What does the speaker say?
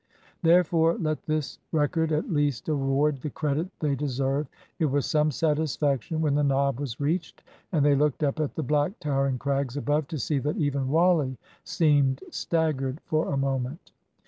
Therefore let this record at least award the the credit they deserve. It was some satisfaction, when the knob was reached, and they looked up at the black towering crags above, to see that even Wally seemed staggered for a moment.